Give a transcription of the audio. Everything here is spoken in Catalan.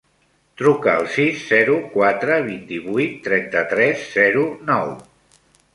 Truca al sis, zero, quatre, vint-i-vuit, trenta-tres, zero, nou.